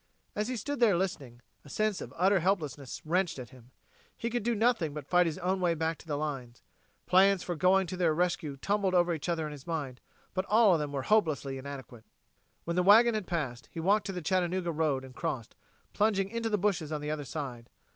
As he stood there listening, a sense of utter helplessness wrenched at him. He could do nothing but fight his own way back to the lines. Plans for going to their rescue tumbled over each other in his mind, but all of them were hopelessly inadequate. When the wagon had passed, he walked to the Chattanooga road and crossed, plunging into the bushes on the other side.